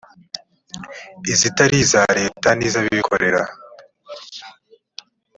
izitari iza leta nizabikorera .